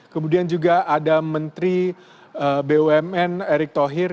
kemudian juga ada menteri bumn erick thohir